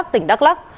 tỉnh đắk lắc